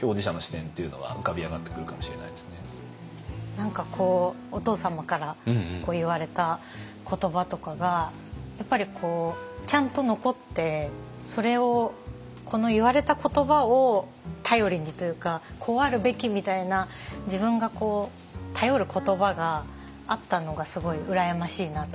何かこうお父様から言われた言葉とかがやっぱりちゃんと残ってそれをこの言われた言葉を頼りにというかこうあるべきみたいな自分が頼る言葉があったのがすごい羨ましいなと思いました。